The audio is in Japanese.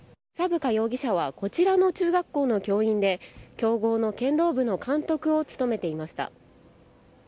草深容疑者はこちらの中学校の教員で強豪の剣道部の監督を務めていました。